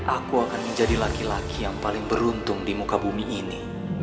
aku akan menjadi laki laki yang paling beruntung di muka bumi ini